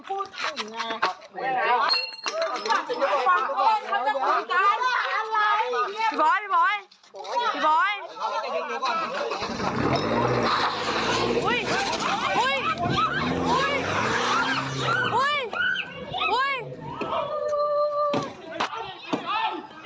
อุ๊ยอุ๊ย